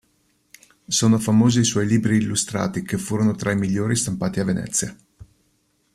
Sono famosi i suoi libri illustrati, che furono tra i migliori stampati a Venezia.